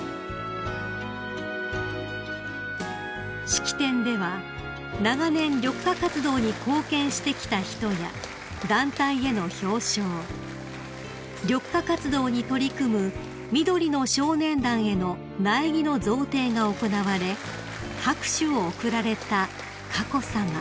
［式典では長年緑化活動に貢献してきた人や団体への表彰緑化活動に取り組むみどりの少年団への苗木の贈呈が行われ拍手を送られた佳子さま］